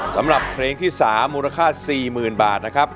สำหรับเพลงที่๓มูลค่า๔๐๐๐บาทนะครับ